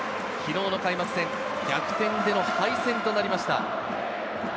昨日の開幕戦、逆転での敗戦となりました。